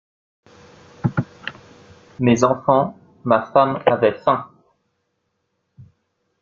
Mes enfants, ma femme avaient faim!